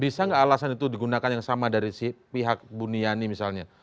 bisa nggak alasan itu digunakan yang sama dari si pihak buniani misalnya